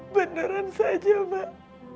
beneran saja mbak